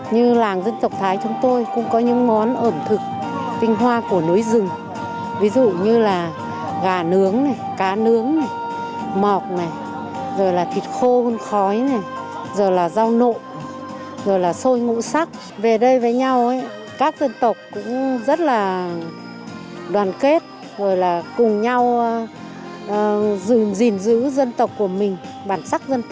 các dân tộc cũng rất là đoàn kết cùng nhau dình dữ dân tộc của mình bản sắc dân tộc của mình